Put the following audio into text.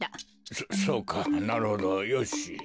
そそうかなるほどよし。